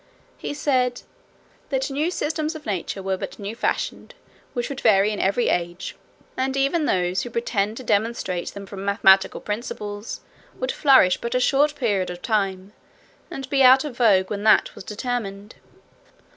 He said, "that new systems of nature were but new fashions, which would vary in every age; and even those, who pretend to demonstrate them from mathematical principles, would flourish but a short period of time, and be out of vogue when that was determined."